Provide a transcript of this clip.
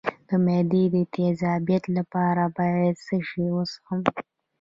د معدې د تیزابیت لپاره باید څه شی وڅښم؟